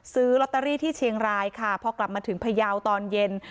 ซื้อลอตเตอรี่ที่เชียงรายค่ะพอกลับมาถึงพยาวตอนเย็น